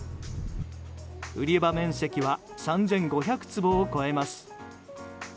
売り場面積は３５００坪を超えます。